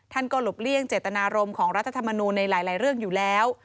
ท่านก็หลบเลี่ยงเจตนารมณ์ของรัฐธรรมนูลในหลายเรื่องอยู่แล้ว